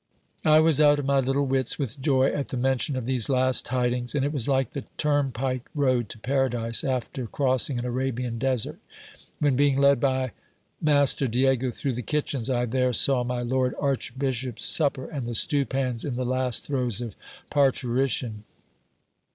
I was out of my little wits with joy at the mention of these last tidings ; and it was like the turnpike road to paradise after crossing an Arabian desert, when being led by master Diego through the kitchens, I there saw my lord archbishop's supper, and the stew pans in the last throes of parturition.